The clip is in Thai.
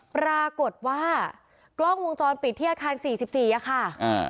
ปรากฏว่ากล้องวงจรปิดที่อาคารสี่สิบสี่อ่ะค่ะอ่า